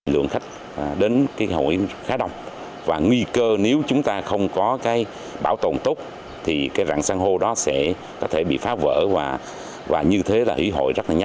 lượng khách đến hòn yến khá đông và nguy cơ nếu chúng ta không có bảo tồn tốt thì dạng san hô đó sẽ có thể bị phá vỡ và như thế là hủy hội rất nhanh